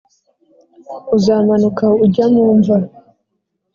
uzamanuka ujya mu mva